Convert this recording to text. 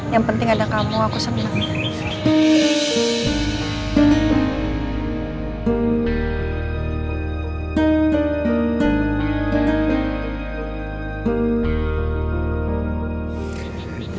yang penting ada kamu aku senang